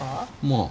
まあ。